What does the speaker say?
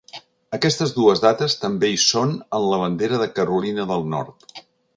Aquestes dues dates també hi són en la bandera de Carolina del Nord.